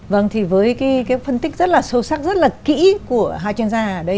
vâng thì với cái phân tích rất là sâu sắc rất là kỹ của hai chuyên gia ở đây